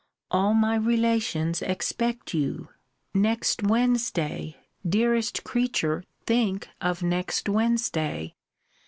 All my relations expect you. Next Wednesday! Dearest creature! think of next Wednesday!